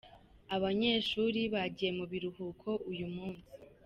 abanyeshuri bagiye mu bihruko uyu munsi